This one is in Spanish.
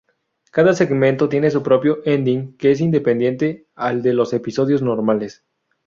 Cada segmento tiene su propio ending, que es independiente al de los episodios normales.